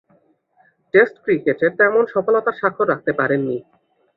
Test ক্রিকেটে তেমন সফলতার স্বাক্ষর রাখতে পারেননি।